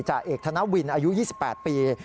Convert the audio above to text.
จ่าเอกธนวินอายุ๒๘ปี